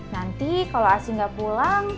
nanti kalau asih gak pulang